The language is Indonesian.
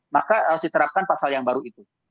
maka harus diterapkan pasal yang baru itu